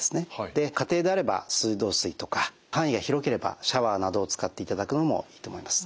で家庭であれば水道水とか範囲が広ければシャワーなどを使っていただくのもいいと思います。